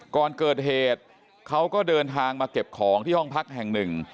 ก่อนเกิดเหตุเขาก็เดินทางมาเก็บของที่ห้องพักแห่งหนึ่ง